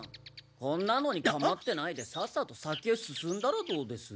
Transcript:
こんなのにかまってないでさっさと先へ進んだらどうです？